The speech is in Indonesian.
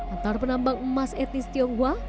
antar penambang emas etnis tionghoa